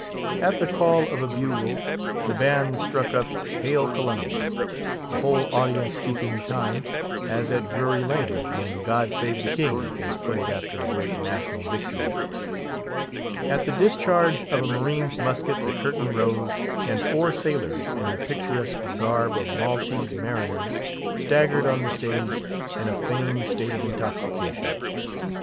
At the call of a bugle the band struck up Hail Columbia, the whole audience keeping time, as at Drury Lane, when God Save The King is played after a great national victory. At the discharge of a marine's musket the curtain rose, and four sailors, in the picturesque garb of Maltese mariners, staggered on the stage in a feigned state of intoxication.